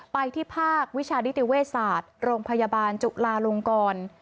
ไปที่ภาควิชานิติเวชศาสตร์โรงพยาบาลจุลาลงกร